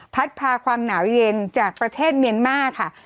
พาความหนาวเย็นจากประเทศเมียนมาร์ค่ะ